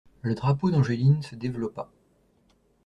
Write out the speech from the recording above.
Le drapeau d'Angeline se développa.